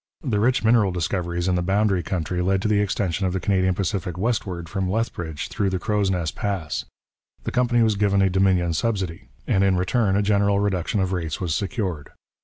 The rich mineral discoveries in the Boundary country led to the extension of the Canadian Pacific westward from Lethbridge, through the Crow's Nest Pass. The company was given a Dominion subsidy, and in return a general reduction of rates was secured.